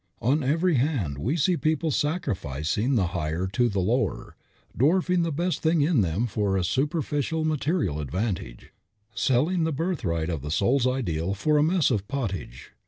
On every hand we see people sacrificing the higher to the lower, dwarfing the best thing in them for a superficial material advantage, selling the birthright of the soul's ideal for a mess of pottage.